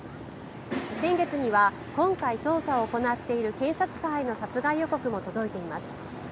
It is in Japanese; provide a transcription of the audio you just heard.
先月には、今回捜査を行っている警察官への殺害予告も届いています。